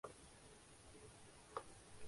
General Ashfaq Nadeem retire ہو چکے ہیں۔